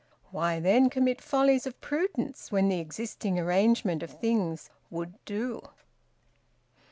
Why then commit follies of prudence, when the existing arrangement of things `would do'?